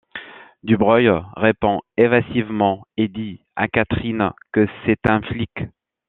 Dubreuil répond évasivement, et dit à Catherine que c'est un flic.